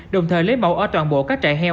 đồng thời lấy mẫu ở toàn bộ các trại heo